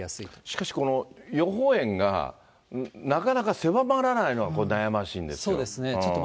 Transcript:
しかしこの予報円がなかなか狭まらないのは悩ましいんですよ